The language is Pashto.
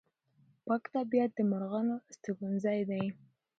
پاک طبیعت د مرغانو استوګنځی دی.